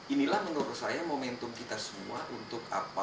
inilah menurut saya momentum kita semua untuk apa